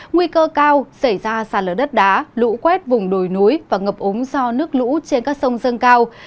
nguy cơ cao xảy ra sàn lửa đất đá lũ quét vùng đồi núi và ngập ống do nước lũ trên các sông dân cao